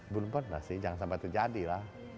bener bener sih jangan sampai terjadi lah